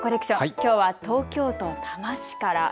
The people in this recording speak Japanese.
きょうは東京都多摩市から。